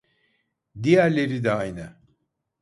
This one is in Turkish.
Diğerleri de aynı